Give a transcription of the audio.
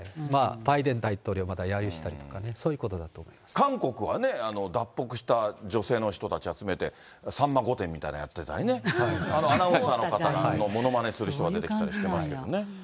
バイデン大統領をやゆしたりとかね、韓国はね、脱北した女性の人たち集めて、さんま御殿みたいのやってたりね、あのアナウンサーの方が、ものまねする人が出てきたりしてますけどね。